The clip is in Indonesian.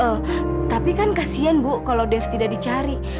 oh tapi kan kasian bu kalau dev tidak dicari